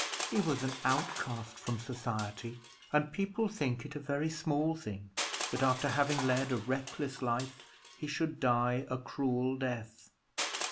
He was an outcast from society; and people think it a very small thing that, after having led a reckless life, he should die a cruel death.